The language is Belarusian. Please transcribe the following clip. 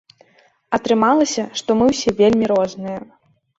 Атрымалася, што мы ўсе вельмі розныя.